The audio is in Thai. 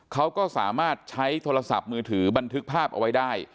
เขาก็สามารถใช้โทรศัพท์มือถือบันทึกภาพเอาไว้ได้